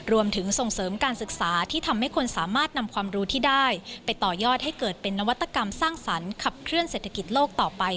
รวมถึงส่งเสริมการศึกษาที่ทำให้คนสามารถนำความรู้ที่ได้ไปต่อยอดให้เกิดเป็นนวัตกรรมสร้างสรรค์ขับเคลื่อนเศรษฐกิจโลกต่อไป